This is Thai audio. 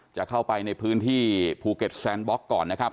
จะเข้าไปในพื้นที่ภูเก็ตแซนบล็อกก่อนนะครับ